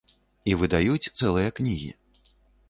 І выдаюць цэлыя кнігі.